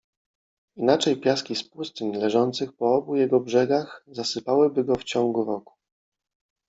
Inaczej piaski z pustyń, leżących po obu jego brzegach, zasypałyby go w ciągu roku.